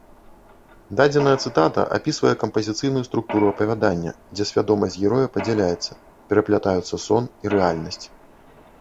Дадзеная цытата апісвае кампазіцыйную структуру апавядання, дзе свядомасць героя падзяляецца, пераплятаюцца сон і рэальнасць.